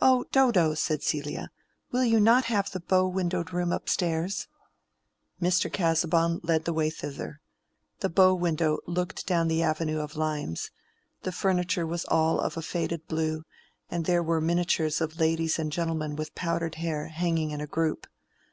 "Oh, Dodo," said Celia, "will you not have the bow windowed room up stairs?" Mr. Casaubon led the way thither. The bow window looked down the avenue of limes; the furniture was all of a faded blue, and there were miniatures of ladies and gentlemen with powdered hair hanging in a group.